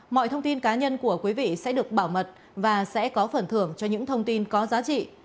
mọi thông tin cá nhân của quý vị sẽ được bảo mật và sẽ có phần thưởng cho những thông tin có giá trị